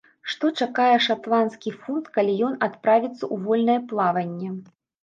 Што чакае шатландскі фунт, калі ён адправіцца ў вольнае плаванне?